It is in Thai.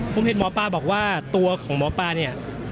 ผมเห็นหมอปลาบอกว่าตัวของหมอปลาเนี่ย